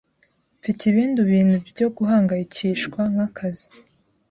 Mfite ibindi bintu byo guhangayikishwa, nkakazi.